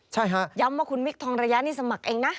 ใช่ฮะย้ำว่าคุณมิคทองระยะนี่สมัครเองนะ